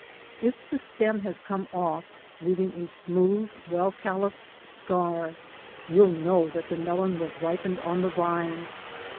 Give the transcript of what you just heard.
If the stem has come off leaving a smooth, well calloused scar, you'll know that the melon was ripened on the vine.